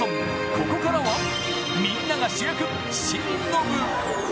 ここからはみんなが主役、市民の部。